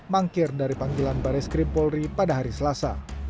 mangkir dari panggilan baris krimpolri pada hari selasa